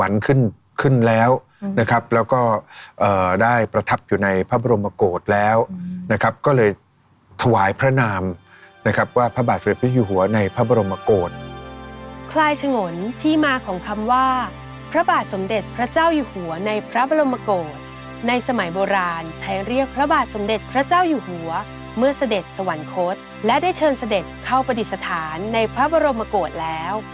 ขึ้นขึ้นแล้วนะครับแล้วก็ได้ประทับอยู่ในพระบรมโกศแล้วนะครับก็เลยถวายพระนามนะครับว่าพระบาทสมเด็จพระฉงนที่มาของคำว่าพระบาทสมเด็จพระเจ้าอยู่หัวในพระบรมโกศในสมัยโบราณใช้เรียกพระบาทสมเด็จพระเจ้าอยู่หัวเมื่อเสด็จสวรรคตและได้เชิญเสด็จเข้าประดิษฐานในพระบรมโกศแล้ว